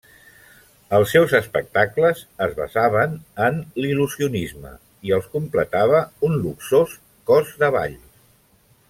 Els seus espectacles es basaven en l'il·lusionisme i els completava un luxós cos de ball.